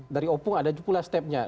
dari opung ada juga pula stepnya